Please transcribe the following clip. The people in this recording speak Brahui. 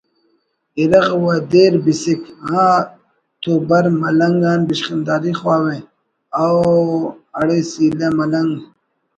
ارغ و دیر بسک ہا تو بر ملنگ آن بشخنداری خواہ…… اؤ اڑے سلہ ملنگ